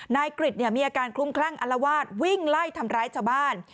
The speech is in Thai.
นายกริจมีอาการคลุ้มคลั่งอลวาดวิ่งไล่ทำร้ายชาวบ้าน